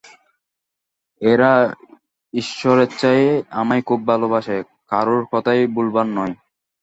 এরা ঈশ্বরেচ্ছায় আমায় খুব ভালবাসে, কারুর কথায় ভোলবার নয়।